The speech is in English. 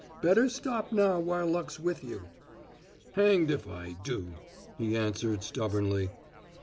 Better stop now while luck's with you." "Hanged if I do!" he answered stubbornly.